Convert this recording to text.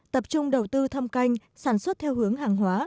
tập trung đầu tư thâm canh sản xuất theo hướng hàng hóa